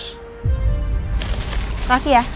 terima kasih ya